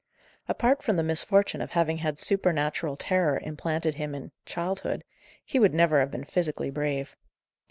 Apart from the misfortune of having had supernatural terror implanted in him in childhood, he would never have been physically brave.